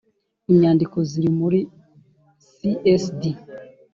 Inyandiko ziri muri csd